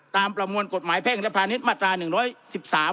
ประมวลกฎหมายแพ่งและพาณิชย์มาตราหนึ่งร้อยสิบสาม